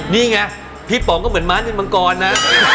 นี่ไงพี่ป๋องก็เหมือนม้านินมังกรนะ